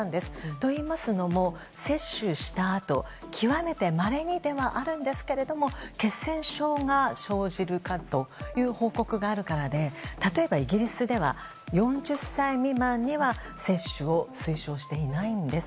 といいますのも、接種したあと極めてまれにではあるんですけれども血栓症が生じるという報告があるからで例えば、イギリスでは４０歳未満には接種を推奨していないんです。